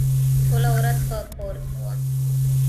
ټوله ورځ په کور کې وم.